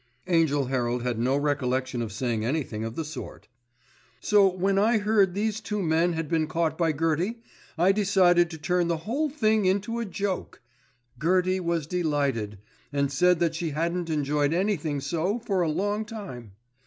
(Angell Herald had no recollection of saying anything of the sort.) "So when I heard these two men had been caught by Gertie, I decided to turn the whole thing into a joke. Gertie was delighted, and said that she hadn't enjoyed anything so for a long time.